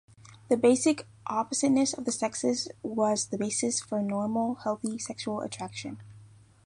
The basic oppositeness of the sexes was the basis for normal, healthy sexual attraction.